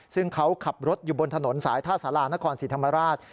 ซึ่งเขาขับรถอยู่บนถนนสายท่าสารานครศรีธรรมราช